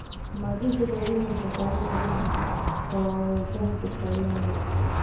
که مادي ژبه وي نو د زده کوونکي په ذهن کې ستړیا نه وي.